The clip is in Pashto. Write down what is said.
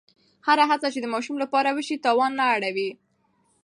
هره هڅه چې د ماشوم لپاره وشي، تاوان نه اړوي.